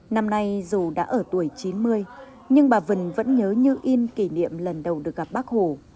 năm nay dù đã ở tuổi chín mươi nhưng bà vân vẫn nhớ như yên kỷ niệm lần đầu được gặp bác hồ